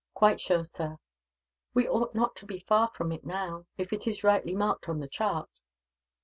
"Quite sure, sir." "We ought not to be far from it, now, if it is rightly marked on the chart."